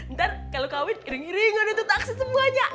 ntar kalau kawin ring ringan untuk taksi semuanya